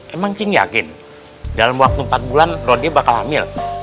emang cing yakin dalam waktu empat bulan rode bakal hamil